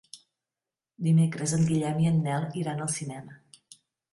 Dimecres en Guillem i en Nel iran al cinema.